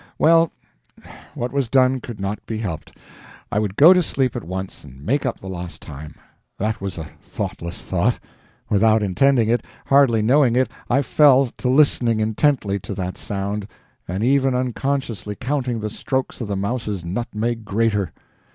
Well, what was done could not be helped; I would go to sleep at once and make up the lost time. That was a thoughtless thought. Without intending it hardly knowing it I fell to listening intently to that sound, and even unconsciously counting the strokes of the mouse's nutmeg grater.